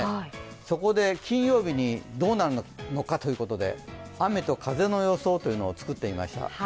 そこで金曜日にどうなるのかということで雨と風の予想というのを作ってみました。